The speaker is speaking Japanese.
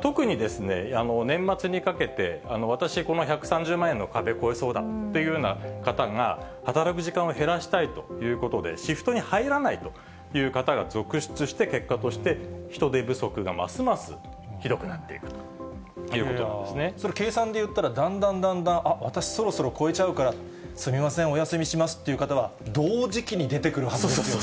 特に、年末にかけて、私、この１３０万円の壁超えそうだっていうような方が、働く時間を減らしたいということで、シフトに入らないという方が続出して、結果として人手不足がますますひどくなっていくということなんでそれ、計算でいったら、だんだんだんだんあっ、私、そろそろ超えちゃうからすみません、お休みしますっていう方は、同時期に出てくるはずですよね。